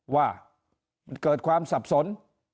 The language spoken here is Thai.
ว่ามันเกิดความสับสน